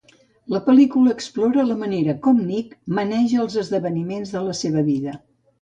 La pel·lícula explora la manera com Nik maneja els esdeveniments de la seva vida.